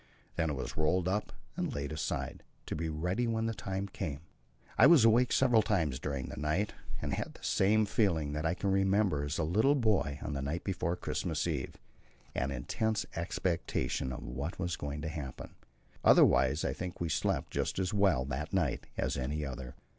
Then it was rolled up and laid aside, to be ready when the time came. I was awake several times during the night, and had the same feeling that I can remember as a little boy on the night before Christmas Eve an intense expectation of what was going to happen. Otherwise I think we slept just as well that night as any other.